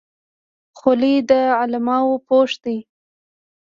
خولۍ د علماو پوښ دی.